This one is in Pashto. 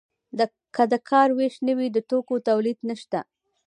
که د کار ویش نه وي د توکو تولید نشته.